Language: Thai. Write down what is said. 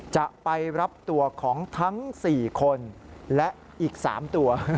จะไปรับตัวของทั้ง๔คนและอีก๓ตัว